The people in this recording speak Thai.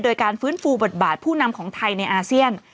โดยการฟื้นฟูบทบาทผู้นำของไทยในอาเซียน